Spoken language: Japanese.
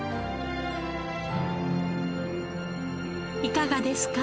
いかがですか？